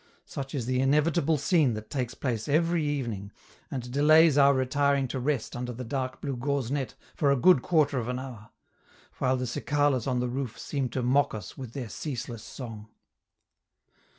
Such is the inevitable scene that takes place every evening, and delays our retiring to rest under the dark blue gauze net for a good quarter of an hour; while the cicalas on the roof seem to mock us with their ceaseless song.